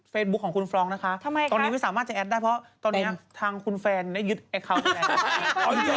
บุ๊คของคุณฟรองกนะคะตอนนี้ไม่สามารถจะแอดได้เพราะตอนนี้ทางคุณแฟนได้ยึดไอคาวไปแล้ว